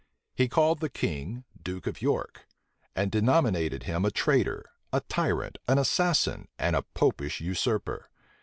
He called the king, duke of York; and denominated him a traitor, a tyrant, an assassin, and a Popish usurper.